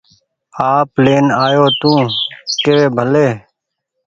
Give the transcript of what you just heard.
آپ لين آيو تو ڪيوي ڀلي